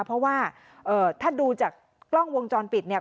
เพราะว่าถ้าดูจากกล้องวงจรปิดเนี่ย